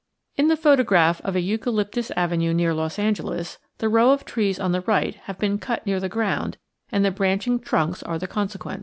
In the photograph of a eucalyptus avenue near Los Angeles, the row of trees on the right have been cut near the ground and the branching trunks are the consequence.